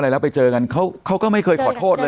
แล้วไปเจอกันเขาก็ไม่เคยขอโทษเลย